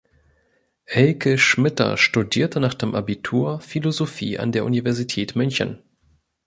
Elke Schmitter studierte nach dem Abitur Philosophie an der Universität München.